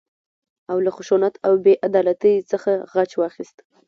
او له خشونت او بې عدالتۍ څخه غچ واخيست.